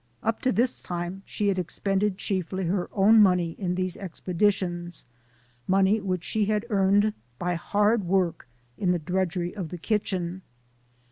" Up to this time she had expended chiefly her own money in these expeditions money which she had earned by hard work in the drudgery of the kitchen.